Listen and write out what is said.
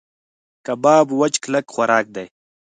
کباب وچ کلک خوراک دی.